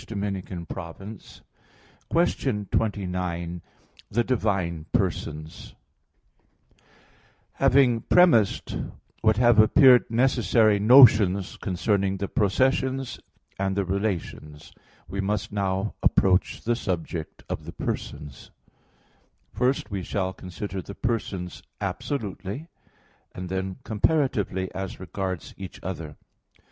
_______________________ QUESTION 29 THE DIVINE PERSONS (In Four Articles) Having premised what have appeared necessary notions concerning the processions and the relations, we must now approach the subject of the persons. First, we shall consider the persons absolutely, and then comparatively as regards each other.